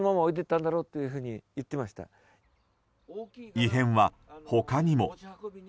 異変は他にも。